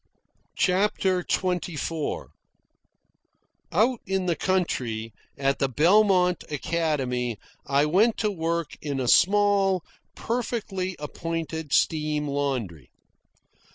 CHAPTER XXIV Out in the country, at the Belmont Academy, I went to work in a small, perfectly appointed steam laundry.